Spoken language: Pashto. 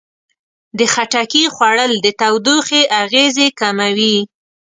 د خټکي خوړل د تودوخې اغېزې کموي.